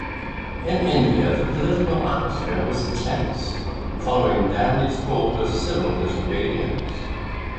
In India, the political atmosphere was tense, following Gandhi's call to civil disobedience.